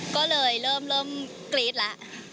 ก็เลยเริ่มกรี๊ดแล้ว